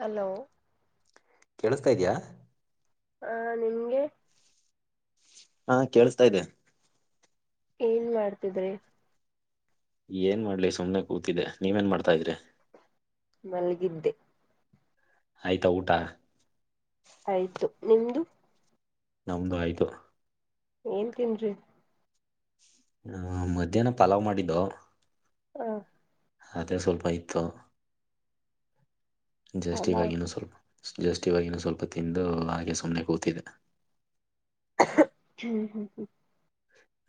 Hello ಕೇಳಿಸ್ತಾ ಇದೆಯಾ. ಹಾ ನಿಂಗೆ ಹಾ ಕೇಳಸ್ತಾ ಇದೆ. ಏನ್ ಮಾಡ್ತಿದ್ರೆ. ಏನ್ ಮಾಡ್ಲಿ ಸುಮ್ನೆ ಕೂತಿದೆ ನೀವ್ ಏನ್ ಮಾಡ್ತಾ ಇದ್ರಿ. ಮಲ್ಗಿದ್ದೆ. ಆಯ್ತಾ ಊಟ. ಆಯ್ತು ನಿಮ್ದ. ನಮ್ದು ಆಯ್ತು. ಏನ್ ತಿಂದ್ರಿ. ಹ ಮಧ್ಯಾಹ್ನ ಪಲಾವ್ ಮಾಡಿದ್ದು ಹಾ ಅದೇ ಸ್ವಲ್ಪ ಇತ್ತು. ಜಸ್ಟ್ ಈವಾಗ್ ಪಲಾವ್ ಏನು ಸ್ವಲ್ಪ್ ಜಸ್ಟ್ ಈವಾಗ್ ಏನು ಸ್ವಲ್ಪ್ ತಿಂದು ಹಾಗೆ ಸುಮ್ಮ್ನೆ ಕೂತಿದೆ. [inaudible] ಹ್ಮ್ ಹ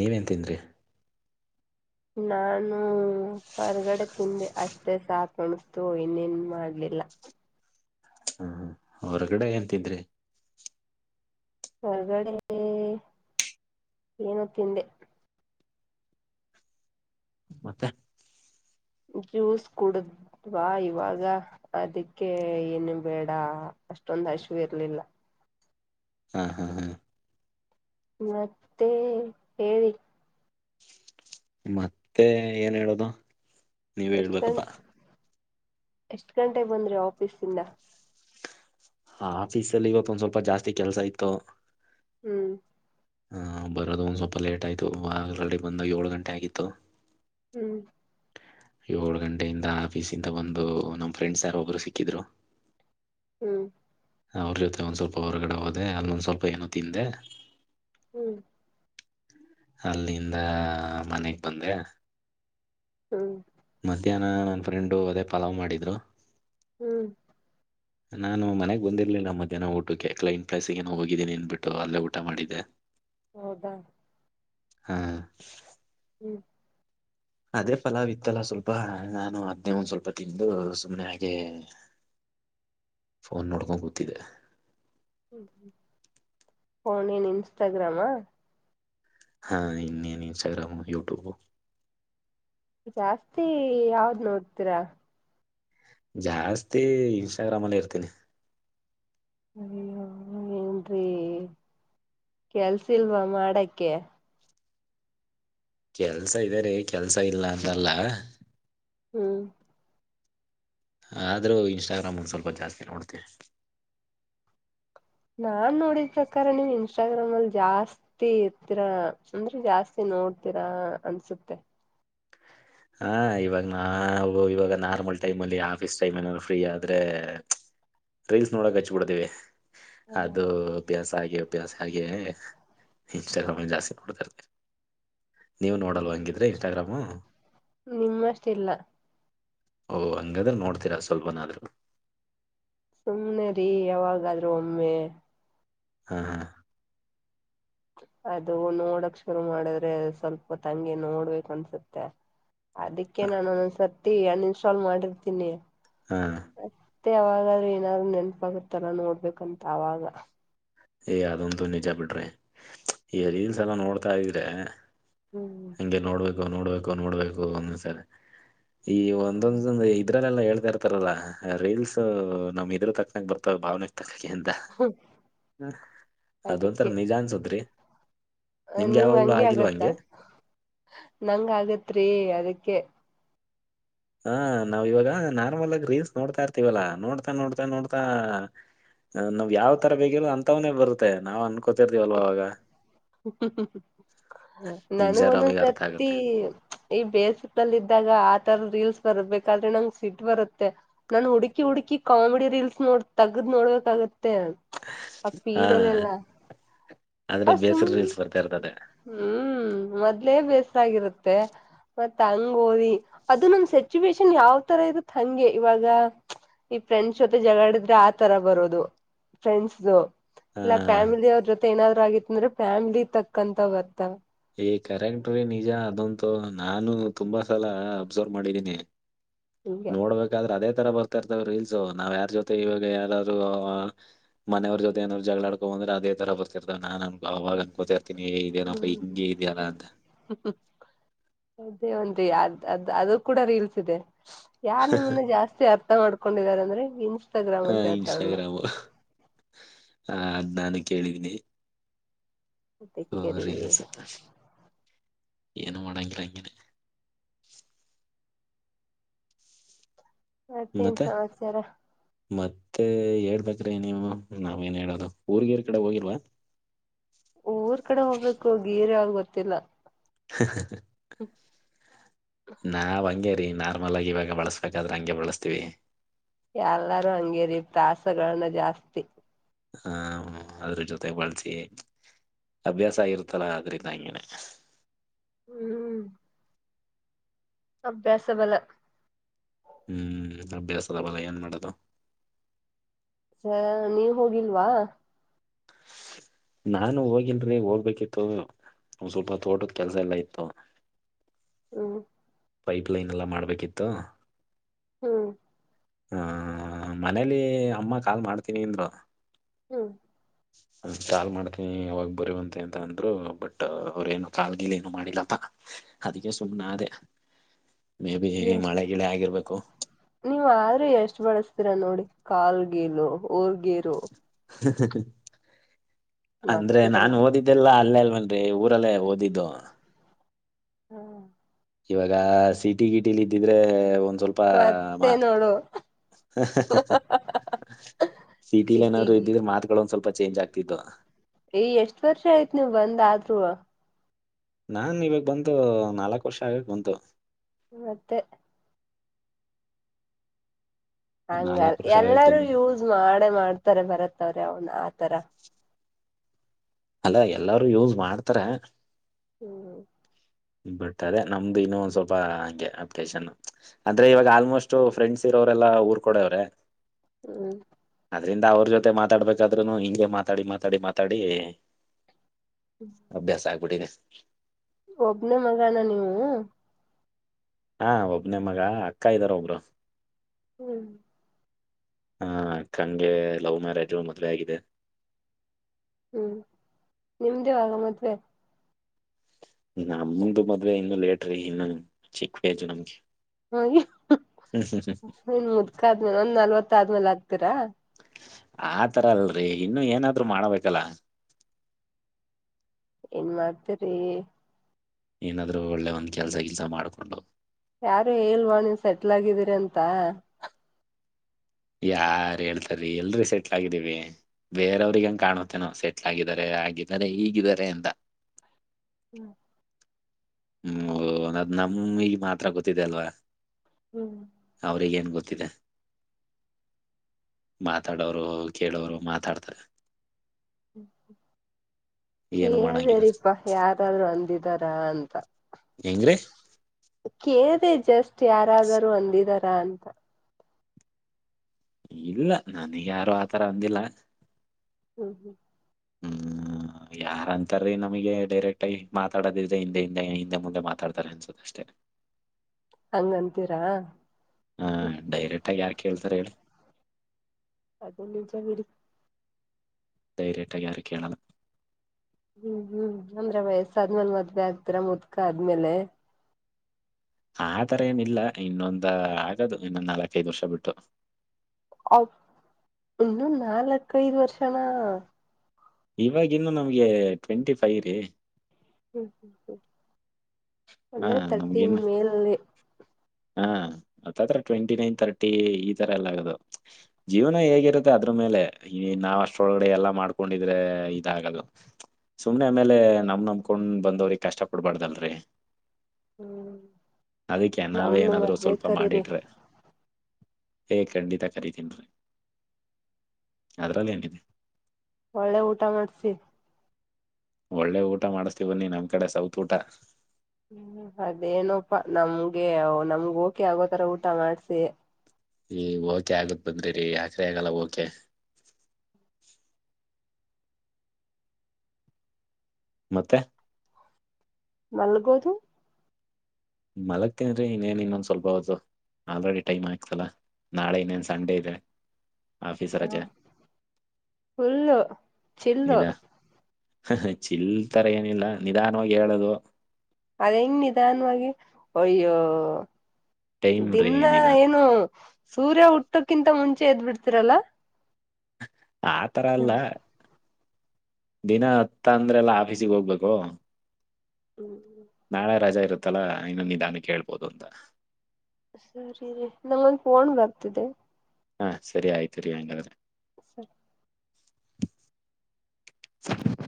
ನೀವ ಏನ್ ತಿಂದ್ರಿ. ನಾನು ಹೊರ್ಗಡೆ ತಿಂದೆ ಅಷ್ಟ ಮತ್ತೆ ಸಾಕಣ್ತು ಇನ್ನೇನ್ ಮಾಡ್ಲಿಲ್ಲ. ಹ್ಮ ಹೊರಗಡೆ ಏನ್ ತಿಂದ್ರಿ ಹೊರಗಡೆ ಏನು ತಿಂದೆ ಮತ್ತೆ. ಜ್ಯೂಸ್ ಕುೂಡದ ವಾಾ ಇವಾಗ ಅದಕ್ಕೆ ಏನು ಬೇಡ ಅಷ್ಟೊಂದ ಹಶವಿ ಇರ್ಲಿಲ್ಲ. ಹಾ ಹಾ ಹಾ ಮತ್ತೆ ಹೇಳಿ. ಮತ್ತೆ ಏನ್ ಹೇಳದು ಎಷ್ಟ ಗಂ ಎಷ್ಟ ಗಂಟೆಗೆ ಬಂದ್ರಿ ಆಫೀಸ ಇಿಂದ ಹ ಆಫೀಸ ಅಲ್ಲಿ ಇವತ್ತು ಒಂದ್ ಸ್ವಲ್ಪ ಜಾಸ್ತಿ ಕೆಲಸ ಇತ್ತು. ಹ್ಮ್ ಹಹ್ ಬರೋದು ಒಂದ್ ಸ್ವಲ್ಪ ಲೇಟ್ ಆಯ್ತು ಆಲ ರೆಡಿ ಬಂದಾಗ ಏಳು ಗಂಟೆ ಆಗಿತ್ತು. ಹ್ಮ್. ಏಳು ಗಂಟೆಯಿಂದ ಆಫೀಸ್ ಇಿಂದ ಬಂದು ನಮ್ ಫ್ರೆಂಡ್ಸ್ ಯಾರ ಒಬ್ರು ಸಿಕ್ಕಿದ್ರು. ಹ್ಮ್ ಅವ್ರ ಜೊತೆ ಒಂದ ಸ್ವಲ್ಪ ಹೊರಗಡೆ ಹೋದೆ ಅಲ್ಲಿವಂದು ಸ್ವಲ್ಪ ಏನೋ ತಿಂದೆ ಹ್ಮ್ [unintelligible] ಅಲ್ಲಿಂದ ಮನೆಗ ಬಂದೆ. ಹ್ಮ್ ಮಧ್ಯಾಹ್ನ ನನ್ನ ಫ್ರೆಂಡು ಅದೇ ಪಲಾವ ಮಾಡಿದ್ರು. ಹ್ಮ್ [inaudible] ನಾನು ಮನೆಗ ಬಂದಿರ್ಲಿಲ್ಲ ಮಧ್ಯಾಹ್ನ ಊಟಕ್ಕೆ ಕೈನ ಕ್ಲಾಸಿಗೆ ಏನು ಹೋಗಿದ್ದೀನಿ ಅನ್ಬಿಟ್ಟು ಅಲ್ಲೇ ಊಟ ಮಾಡಿದ್ದೆ. [inaudible] ಹೌದಾ. ಹಾ ಹ್ಮ್ ಅದೇ ಫಲಾವ ಇತ್ತಲ್ಲ ಸ್ವಲ್ಪ ನಾನು ಅದ್ನೇ ಒಂದ್ ಸ್ವಲ್ಪ ತಿಂದು ಸುಮ್ನೆ ಹಾಗೆ ಫೋನ ನೋಡ್ಕೊಂಡ ಕೂತಿದ್ದೆ. ಹ್ಮ ಫೋನ ಏನ ಇನ್ಸ್ಟಾಗ್ರಾಮಾ. ಹಾ ಇನ್ನೇನ್ ಇನ್ಸ್ಟಾಗ್ರಾಮ್, ಯೂಟ್ಯೂಬ್. ಜಾಸ್ತಿ ಯಾವ್ದ ನೋಡ್ತೀರಾ. ಜಾಸ್ತಿ ಇನ್ಸ್ಟಾಗ್ರಾಮ, ಅಲ್ಲೇ ಇರ್ತೀನಿ. ಅಯ್ಯೋ ಏನ್ರೀ ಕೆಲ್ಸಿಲ್ವಾ ಮಾಡಕೆ. ಕೆಲ್ಸ ಇದ ರೀ ಕೆಲ್ಸ ಇಲ್ಲ ಅಂತಲ್ಲ. ಹ್ಮ್ ಆದ್ರೂ ಇನ್ಸ್ಟಾಗ್ರಾಮ, ಸ್ವಲ್ಪ ಜಾಸ್ತಿ ನೋಡ್ತವಿ. ನಾನ ನೋಡಿದ ಪ್ರಕಾರ ನೀವು ಇನ್ಸ್ಟಾಗ್ರಾಮ್ ಅಲ್ಲಿ ಜಾಸ್ತಿ. ತ್ತ [unintelligible] ಇರ್ತೀರಾ ಅಂದ್ರೆ ಜಾಸ್ತಿ ನೋಡ್ತೀರಾ ಅನ್ಸುತ್ತೆ. ಹ ಇವಾಗ ನಾ ಇವಾಗ ನಾರ್ಮಲ ಟೈಮ ಅಲ್ಲಿ ಆಫೀಸ್ ಟೈಮ ಏನಾದ್ರು ಫ್ರೀ ಆದ್ರೆ ರೀಲ್ಸ ನೋಡಕ [unintelligible] ಹಚ್ಬಿಡ್ತೇವಿ ಹ್ಮ್ ಅದು ಅಭ್ಯಾಸ ಆಗಿ. ಅಭ್ಯಾಸ [unintelligible] ಹಾಗೆ ಇನ್ಸ್ಟಾಗ್ರಾಮಲ್ಲಿ ಜಾಸ್ತಿ ನೋಡ್ತರ. ನೀವು ನೋಡಲ್ವ ಹಂಗಿದ್ರೆ ಇನ್ಸ್ಟಾಗ್ರಾಮು. ನಿಮ್ಮಷ್ಟ ಇಲ್ಲ. ಓಹ ಹಂಗಾದ್ರೆ ನೋಡ್ತೀರಾ ಸ್ವಲ್ಪನಾದ್ರು. ಸುಮ್ನೆ ರೀ ಯಾವಾಗಾದ್ರೂ ಒಮ್ಮೆ. ಹಾ ಹಾ. ಅದು ನೋಡಕ ಶುರು ಮಾಡಿದ್ರೆ ಸ್ವಲ್ಪ ಹೊತ್ತು ಹಂಗೆ ನೋಡ್ಬೇಕಕ ಅನ್ಸುತ್ತೆ ಅದಕ್ಕೆ ಹಾ ನಾನು ಒಂದೊಂದ್ಸರ್ತಿ ಅನ್ಇನ್ಸ್ಟಾಲ್ ಮಾಡಿರ್ತೀನಿ. ಹಾ ಮತ್ತೆ ಅವಾಗಾದ್ರೂ ಏನಾದ್ರು ನೆನಪಾಗತ್ತಲ್ಲ ನೋಡ್ಬೇಕಂತ ಅವಾಗ ಏ ಅದೊಂತೂ ನಿಜ ಬಿಡ್ರಿ ಈ ರೀಲ್ಸ ಎಲ್ಲ ನೋಡ್ತಾ ಇದ್ರೆ. ಹ್ಮ್ ಗೆ ನೋಡ್ಬೇಕು ನೋಡ್ಬೇಕು ನೋಡ್ಬೇಕು ಒಂದಸ ಈ ಒಂದೊಂದ ಇದ್ರಲ್ಲೆಲ್ಲಾ ಹೇಳ್ತಾ ಇರ್ತಾರಲ್ಲ ರೀಲ್ಸ್ ನಮ್ ಇದ್ರ ತಕ್ಕನಕ್ ಬರ್ತವೆ ಭಾವನೆಗೆ ತಕ್ಕಗೆ ಎಂತ. ಹ್ಮ ಅದೊಂತರ ನಿಜ ಅನ್ಸದ್ರಿ. ನಿಮ ಹಂಗಗೆ ಆಗತ್ತ ನಂಗ ಆಗತ ರಿ ಅದಕ್ಕೆ. ಹ ನಾವು ಇವಾಗ ನಾರ್ಮಲ ಆಗ ರೀನ್ಸ್ ನೋಡ್ತಾ ಇರ್ತೀವಲ್ಲಾ ನೋಡ್ತಾ, ನೋಡ್ತಾ ನೋಡ್ತಾ, ನಾವ ಯಾವ ತರ ಬೇಕನೋ ಅಂತವನೇ ಬರುತ್ತ ನಾವ ಅನ್ಕೊಂಡ. ಗೊತ್ತಿರ್ತೀವಲ್ವಾಗ ಸ [inaudible] ನಾನು ನಿಜ ಒಂದೊಂದು ನಮಗೆ ಅರ್ಥ ಸರ್ತಿ ಆಗುತ್ತೆ ಈ ಬೇಸಕ್ಲ್ಲಿ ಇದ್ದಾಗ ಆತರ ರೀಲ್ಸ್ ಬರ್ಬೇಕಾದ್ರೆ ನಂಗೆ ಸಿಟ್ ಬರುತ್ತೆ ನಾನು ಹುಡುಕಿ ಹುಡುಕಿ ಕಾಮಿಡಿ ರೀಲ್ಸ್ ನೋಡ್ ತೆಗ್ದ್ ನೋಡ್ಬೇಕಾಗತ್ತೆ ಆಪ್ಲಿ ಹಾ ಈಡಲ್ಲಲ್ಲ ಆದ್ರೆ ಬೇಕರಿ [unintelligible] ರೀಲ್ಸ್ ಬರ್ತಾ ಇರ್ತದೆ ಹ್ಮ್ ಮೊದ್ಲೇ ಬೇಸಾಗಿರುತ್ತೆ ಮತ್ತತ್ ಹಂಗ ಓದಿ ಅದು ನಮ ಸಿಚುವೇಶನ್ ಯಾವ್ ತರ ಇರುತ್ ಹಂಗೆ ಇವಾಗ ಈ ಫ್ರೆಂಡ್ಸ್ ಜೊತೆ ಜಗಳಡಿದ್ರೆ ಆ ತರ ಬರೋದು ಫ್ರೆಂಡ್ಸ್ ಹಾ ಇಲ್ಲ ಫ್ಯಾಮಿಲಿ ಅವ್ರ್ ಜೊತೆ ಏನಾದ್ರು ಆಗಿತ್ ಅಂದ್ರೆ ಫ್ಯಾಮಿಲಿ ತಕ್ಕಂತ ಬರ್ತಾವ. ಈ ಕರೆಕ್ಟ್ ರೀ ನಿಜ ಅದಂತೂ ನಾನು ತುಂಬಾ ಸಲ ಒಬ್ಸರ್ವ್ ಮಾಡಿದ್ದೀನಿ ಹಿಂಗೆ ನೋಡ್ಬೇಕ್ ಹಾಗಾದ್ರೆ ಅದೇ ತರ ಬರ್ತಾ ಇರ್ತಾವ ರೀಲ್ಸ್ ನಾವ ಯಾರ ಜೊತೆ ಇವಾಗ ಯಾರಾದ್ರು. ಮನವ್ರ ಜೊತೆ ಏನರು ಜಗಳಾಡ್ಕೋ ಅಂದ್ರ ಅದೇ ತರ ಬರ್ತಿರ್ತಾವ ನಾನ ಅವಾಗ ಅನ್ಕೋತಾರ್ತೀನಿ ಇದೆ ಏನಪ್ಪ [unintelligible] ಗಿ ಇದಿಯಲ್ಲ ಅಂತ ಹ್ಮ ಅದೇ ಒನ್ರಿ ಅದ್ ಅದು ಅದು ಕೂಡ ರೀಲ್ಸ್ ಇದೆ ಯಾರ್ ನಿಮನ್ನ ಜಾಸ್ತಿ ಅರ್ಥ ಮಾಡ್ಕೊಂಡಿದಿದ್ದಾರೆ ಅಂದ್ರೆ ಇನ್ಸ್ಟಾಗ್ರಾಮ್ ಅಂತ ಹೇಳ್ತಾರಲ್ಲ ಹ ಅದ್ ನಾನು ಕೇಳಿದಿನಿ ಅದಕ್ಕೆ ರೀ ರೀಲ್ಸ್ ಆತ ಏನು ಮಾಡೋಗಿಲ್ಲ ಹಂಗೆನೇ ಮತ್ತೇನ್ ಮತ್ತೆ ಸಮಚಾರ ಮತ್ತೆ ಹೇಳ್ಬೇಕ್ರಿ ನೀವು ನಾವೇನ್ ಹೇಳದು ಊರ್ಗೇರ್ ಕಡೆ ಹೋಗಿಲ್ವಾ ಊರ್ ಕಡೆ ಹೋಗ್ಬೇಕು ಗೀರ್ ಯಾವುದು ಗೊತ್ತಿಲ್ಲ ಹ ಹಾ ನಾವ್ ಹಂಗೆ ರೀ ನಾರ್ಮಲ್ ಆಗಿ ಇವಾಗ ಬಳಸಬೇಕಾದ್ರೆ ಅಂಗೆ ಬಳಸ್ತೀವಿ. ಎಲ್ಲರು ಅಂಗೇರಿ ತಾಸ್ಗಳನ್ನ ಜಾಸ್ತಿ. ಹ ಅದ್ರೂ ಜೊತೆ ಬಳ್ಸಿ ಅಭ್ಯಾಸ ಆಗರ್ತಲ್ಲ ಅದ್ರಿಂದ ಹಂಗೆನೆ ಹ್ಮ್ ಅಭ್ಯಾಸ ಬಲ ಹ್ಮ್ ಅಭ್ಯಾಸ ಬಲ್ಲ ಏನ್ ಮಾಡೋದು ಹ್ಮ್ ನೀವು ಹೋಗಿಲ್ವಾ ನಾನು ಹೋಗಿಲ್ರಿ ಹೋಗ್ಬೇಕಿತ್ತು ಸ್ವಲ್ಪ ತೋಟದ ಕೆಲಸ ಎಲ್ಲಾ ಇತ್ತು [inaudible] ಹ್ಮ್ ಪೈಪ್ ಲೈನ್ ಎಲ್ಲಾ ಮಾಡ್ಬೇಕಿತ್ತು. ಹ್ಮ್ ಹಾ ಮನೇಲಿ ಅಮ್ಮ ಕಾಲ್ ಮಾಡ್ತೀನಿ ಅಂದ್ರು. ಹ್ಮ್.. ಕಾಲ್ ಮಾಡ್ತೀನಿ ಅವಾಗ ಬರಿವಂತೆ ಅಂತ ಅಂದ್ರು ಬಟ್ ಅವ್ರೇನು ಕಾಲ್ ಗಿಲಿ ಏನು ಮಾಡಿಲ್ಲಪ್ಪ. ಅದಕ್ಕೆ ಸುಮ್ನೆ ಅದೇ ಮೇಬಿ ಮಳೆ ಗಿಳೆ ಆಗಿರ್ಬೇಕು ನೀವು ಆದ್ರೂ ಎಷ್ಟು ಬಳಸ್ತೀರಾ ನೋಡಿ ಕಾಲ್ ಗೆಲು ಊರ್ಗೇರು ಅಂದ್ರೆ ನಗ್ತಿರಲ್ಲ ನಾನು ಓದಿದ್ ಇಲ್ಲಾ ಅಲ್ವೆನ್ರಿ ಊರಲ್ಲೇ ಓದಿದ್ದು. ಹಾಂ. ಇವಾಗ ಸೀಟಿ ಗಿಟಿಲಿ ಇದ್ದಿದ್ರೆ ಒಂದ್ ಸ್ವಲ್ಪ. ಮತ್ತೆ [unintelligible] ನೋಡು ಹಾ ಹಾ ಸಿಟಿಯಲ್ಲಿ ಏನಾದರೂ ಸಿಟಿಗಿ ಇದ್ದಿದ್ರೆ ಮಾತುಗಳು ಒಂದ್ ಸ್ವಲ್ಪ ಚೇಂಜ್ ಆಗ್ತಿತ್ತು. ಏಯ್ ಎಷ್ಟು ವರ್ಷ ಆಯ್ತು ನೀವು ಬಂದ್ ಆದ್ರೂ. ನಾನು ಇವಾಗ ಬಂದು ನಾಲ್ಕು ವರ್ಷ ಆಗೋಕೆ ಬಂತು. ಮತ್ತೆ. ಹಂಗ ನಾಲ್ಕ್ ವರ್ಷ ಆಗಕ್ ಎಲ್ಲಾರೂ ಬಂದಿದೆ ಯೂಸ್ ಮಾಡ ಮಾಡ್ತಾರೆ ಭರತ್ ಅವ್ರೆ ಅವನ್ ಆತಾರ ಅಲ್ಲ ಎಲ್ಲರೂ ಯೂಸ್ ಮಾಡ್ತಾರೆ. ಹ್ಮ್. ಬಟ್ ಅದೇ ನಮ್ದು ಇನ್ನು ಒಂದ್ ಸ್ವಲ್ಪ ಹಂಗೆ ಅಪ್ಡೇಷನು. ಅಂದ್ರೆ ಈಗ ಆಲ್ಮೋಸ್ಟ್ ಫ್ರೆಂಡ್ಸ್ ಇರೋರೆಲ್ಲಾ ಊರ್ ಕೊಡೆವ್ರೆ ಹ್ಮ್ ಅದ್ರಿಂದ ಅವ್ರ ಜೊತೆ ಮಾತಾಡ್ಬೇಕಾದ್ರುನು ಹಿಂಗೆ ಮಾತಾಡಿ ಮಾತಾಡಿ ಮಾತಾಡಿ.... ಅಭ್ಯಾಸ ಆಗ್ಬಿಟ್ಟಿದೆ. ಒಬ್ನೆ ಮಗನ ನೀವು. ಹ ಒಬ್ನೆ ಮಗ ಅಕ್ಕ ಇದಾರೆ ಒಬ್ರು. ಹ್ಮ್ ಹಾ ಅಕ್ಕಂಗೆ ಲವ್ ಮ್ಯಾರೇಜು ಮದ್ವೆ ಆಗಿದೆ. ಹ್ಮ್ ನಿಮ್ದ ಯಾವಾಗ ಮದ್ವೆ. ನಮ್ದು ಮದುವೆ ಇನ್ನೂ ಲೇಟ್ ರೀ ಇನ್ನೂ ಚಿಕ್ಕ ಏಜ್ ನಮಗೆ. ಅಯ್ಯೋ ಏನ್ ಮುದ್ಕ ಆದ್ಮೇಲೆ ಒಂದ್ ನಲ್ವತ್ ಆದ್ಮೇಲೆ ಆಗ್ತೀರಾ. ಅತರ ಅಲ್ರೀ ಇನ್ನು ಏನಾದ್ರು ಮಾಡ್ಬೇಕಲ್ಲ. ಏನ್ ಮಾಡ್ತರಿ. ಏನಾದ್ರು ಒಳ್ಳೆ ಒಂದ್ ಕೆಲ್ಸ ಗಿಲ್ಸ ಮಾಡ್ಕೊಂಡು. ಯಾರು ಹೇಳಲ್ವ ನೀವು ಸೆಟ್ಲ್ ಆಗಿದ್ದೀರಿ ಅಂತ. ಯಾರ್ ಹೇಳ್ತಾರೀ ಎಲ್ರಿ ಸೆಟ್ಲ್ ಆಗಿದ್ದೀವಿ. ಬೇರವ್ರಿಗೆ ಹಂಗ್ ಕಾಣುತ್ತೇನೋ ಸೆಟ್ಲ್ ಆಗಿದಿದ್ದಾರೆ ಆಗಿದ್ದಾರೆ ಹೀಗಿದ್ದಾರೆ ಎಂತ. ಹ್ಮ್ ಹ್ಮ್ ಹೊ ಅದ್ ನಮಿಗ ಮಾತ್ರ ಗೊತ್ತಿದೆ ಅಲ್ವಾ. ಹ್ಮ್ ಅವ್ರಿಗ್ ಏನ್ ಗೊತ್ತಿದೆ. ಮಾತಾಡೋರು ಕೇಳೋರು ಮಾತಾಡ್ತಾರೆ. ಏನು ಮಾಡಂಗಿಲ್ಲ ಕೇಳ್ದೆರಿಯಪ್ಪ ಯಾರಾದ್ರರು ಅಂದಿದಾರ ಅಂತ. ಹೆಂಗ್ರೀ. ಕೇಳದೆ ಜಸ್ಟ್ ಯಾರಾದರೂ ಅಂದಿದಾರ ಅಂತ. ಇಲ್ಲ ನನಿಗ್ ಯಾರು ಆತರ ಅಂದಿಲ್ಲ. ಹ್ಮ್ ಹ್ಮ್ ಹ್ಮ್ ಯಾರಂತಾರೀ ನಮಗೆ ಡೈರೆಕ್ಟ್ ಆಗಿ ಮಾತಾಡೋದಿದ್ರೆ ಹಿಂದೆ ಹಿಂದೆ ಹಿಂದೆ ಮುಂದೆ ಮಾತಾಡ್ತಾರೆ ಅನ್ಸುತ್ತೆ. ಅಷ್ಟೇ. ಹಂಗಂತೀರಾ ಹಾ ಡೈರೆಕ್ಟ್ ಆಗಿ ಯಾರ್ ಕೇಳ್ತಾರೆ ಹೇಳಿ. ಅದು ನಿಜಾ ಬಿಡಿ. ಡೈರೆಕ್ಟ್ ಆಗಿ ಯಾರು ಕೇಳಲ್ಲ. ಹ್ಮ್ ಹ್ಮ್ ಅಂದ್ರೆ ವಯಸ್ಸಾದ್ಮೇಲೆ ಮದ್ವೆ ಆಗ್ತೀರಾ ಮುದ್ಕ ಆದ್ಮೇಲೆ. ಆತರ ಏನಿಲ್ಲ ಇನ್ನೊಂದ ಆಗದು ಇನ್ನೊಂದ್ ನಾಲ್ಕೈದು ವರ್ಷ ಬಿಟ್ಟು. ಇನ್ನೂ ನಾಲ್ಕ್ಐದು ವರ್ಷನ. ಇವಾಗ ಇನ್ನು ನಮ್ಗೆ ಟ್ವೆಂಟಿ ಫೈವ್ ರೀ. ಹ್ಮ್ ಹ್ಮ್ ಹ್ಮ್ ಹಾ ಅಂದ್ರೆ ತರ್ಟಿ ನಮಗಿನ್ನ. ಮೇಲೆ ಅತ್ತಾತ್ರಾ ಟ್ವೆಂಟಿ ನೈನ್ ತರ್ಟಿ ಈ ತರ ಎಲ್ಲ ಆಗದು. ಜೀವನ ಹೇಗಿರುತ್ತೆ ಅದ್ರು ಮೇಲೆ ಈ ನಾವ್ ಅಷ್ಟೊಳಗಡೆ ಎಲ್ಲಾ ಮಾಡ್ಕೊಂಡಿದ್ರೆ ಇದಾಗದು. ಸುಮ್ನೆ ಆಮೇಲೆ ನಮ ನಮ್ಕೊಂಡ್ ಬಂದವ್ರಿಗೆ ಕಷ್ಟ ಕೊಡ್ಬಾರ್ದಲ್ರರಿ. ಹ್ಮ್ ಅದಿಕ್ಕೆ ನಾವೇ ನಮ್ನು ಏನಾದ್ರು ಮದ್ವೆ ಸ್ವಲ್ಪ ಕರೀರಿ ಮಾಡಿಟ್ರೆ. ಏ ಖಂಡಿತ ಕರೀತೀನ್ ರಿ ಅದ್ರಲ್ಲಿ ಏನಿದೆ. ಒಳ್ಳೆ ಊಟ ಮಾಡ್ಸಿ. ಒಳ್ಳೆ ಊಟ ಮಾಡುಸ್ತೀವಿ ಬನ್ನಿ ನಮ್ ಕಡೆ ಸೌತ್ ಊಟ. ಹ ಅದೇನಪ್ಪಾ ನಮ್ಗೆ ನಮ್ಗ ಓಕೆ ಆಗೋತರ ಊಟ ಮಾಡ್ಸಿ. ಏ ಓಕೆ ಆಗತ್ ಬಂದ್ರಿ ರಿ ಯಾಕ್ರಿ ಆಗಲ್ಲ ಓಕೆ. ಮತ್ತೆ ಮಲ್ಗೋದು ಮಲಗ್ತೇನ್ರಿ ಇನ್ನೇನ್ ಇನ್ನೊಂದ್ ಸ್ವಲ್ಪ ಹೊತ್ತು ಆಲ್ರೆಡಿ ಟೈಮ್ ಆಯಕ್ತಲ್ಲ ನಾಳೆ ಇನ್ನೇನ್ ಸಂಡೇ ಇದೆ ಆಫೀಸ್ ರಜೆ ಫುಲ್ ನಿಧ ಚಿಲ್ತರ ಏನಿಲ್ಲ ನಿಧಾನ ಹೋಗಿ ಹೇಳುದು ಅದ ಹೆಂಗ್ ನಿಧಾನವಾಗಿ ಅಯ್ಯೋ ಟೈಮ್ ರೀ ದಿನಾ ನಿಧಾನ ಏನು ಸೂರ್ಯ ಹುಟ್ಟಕ್ಕಿಂತ ಮುಂಚೆ ಎದ್ ಬಿಡ್ತಿರಲ್ಲ ಆತರ ಅಲ್ಲ ದಿನ ಹತ್ತ ಅಂದ್ರೆ ಎಲ್ಲಾ ಆಫೀಸಿಗೆ ಹೋಗ್ಬೇಕು ಹ್ಮ್ ನಾಳೆ ರಜಾ ಇರುತ್ತಲ್ಲಾ ಇನ್ನು ನಿಧಾನಕ್ಕೆ ಹೇಳ್ಬೋದು ಅಂತ ನಮಗೊಂದು ಫೋನ್ ಬರ್ತಾ ಇದೆ ಹಾ ಸರಿ ಆಯ್ತು ರೀ ಹಾಗಂಗಾದ್ರೆ ಸ